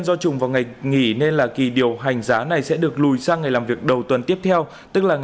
tuy nhiên do chủng vào ngày nghỉ nên là kỳ điều hành giá này sẽ được lùi sang ngày làm việc đầu tuần tiếp theo tức là ngày ba tháng bốn